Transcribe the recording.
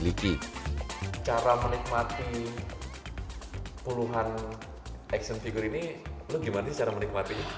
lo gimana sih secara menikmatinya